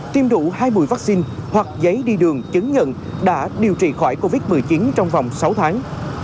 tiêm đủ hai mùi vaccine hoặc giấy đi đường chứng nhận đã điều trị khỏi covid một mươi chín trong vòng sáu tháng